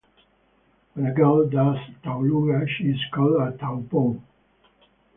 When a girl does taualuga she is called a taupou.